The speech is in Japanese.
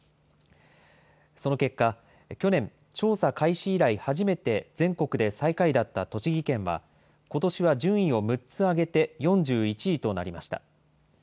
その結果、去年、調査開始以来初めて全国で最下位だった栃木県は、ことしは順位を６つ上げて４１位となりました。